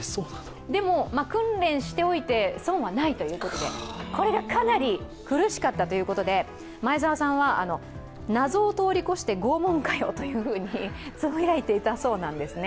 でも、訓練しておいて損はないということでこれがかなり苦しかったということで、前澤さんは、謎を通り越して拷問かよとつぶやいていたそうなんです。